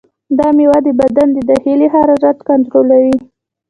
دا میوه د بدن د داخلي حرارت کنټرولوي.